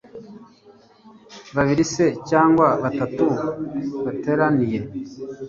babiri se cyangwa batatu (bateraniye